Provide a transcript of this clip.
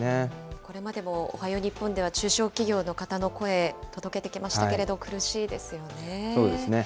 これまでもおはよう日本では、中小企業の方の声、届けてきましそうですね。